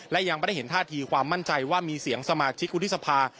และยังไม่ได้เห็นท่าทีความมั่นใจว่ามีเสียงสมาชิกวุฒิสภา